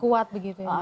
kuat begitu ya